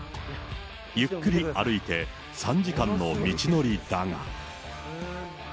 ゆっくり歩いて３時間の道のりだが。